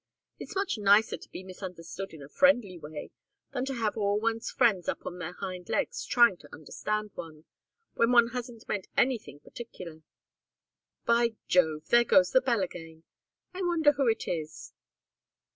It's much nicer to be misunderstood in a friendly way than to have all one's friends up on their hind legs trying to understand one, when one hasn't meant anything particular. By Jove! There goes the bell again! I wonder who it is?"